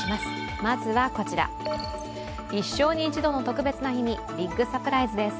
一生に一度の特別な日にビッグサプライズです。